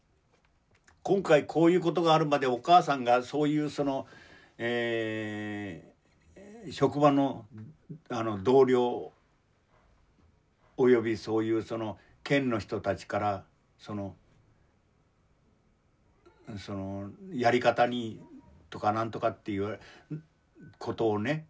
今回こういうことがあるまでお母さんがそういうその職場の同僚およびそういうその県の人たちからそのそのやり方にとか何とかっていうことをね